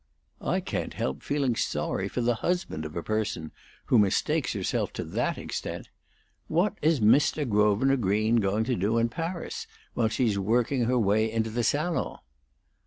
"I can't help feeling sorry for the husband of a person who mistakes herself to that extent. What is Mr. Grosvenor Green going to do in Paris while she's working her way into the Salon?"